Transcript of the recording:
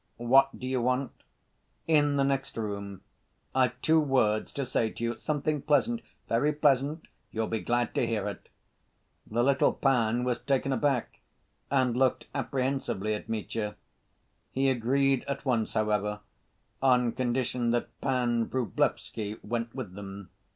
"What do you want?" "In the next room, I've two words to say to you, something pleasant, very pleasant. You'll be glad to hear it." The little pan was taken aback and looked apprehensively at Mitya. He agreed at once, however, on condition that Pan Vrublevsky went with them.